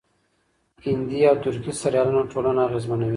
هندي او ترکي سريالونه ټولنه اغېزمنوي.